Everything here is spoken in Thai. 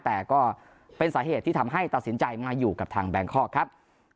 แต่ก็เป็นสาเหตุที่ทำให้ตัดสินใจมาอยู่กับทางแบงคอกครับ